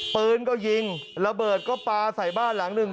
ปืนก็ยิงระเบิดก็ปลาใส่บ้านหลังหนึ่ง